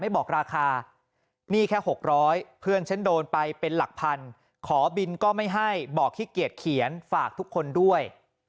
บอกขี้เกียจเขียนฝากทุกคนด้วย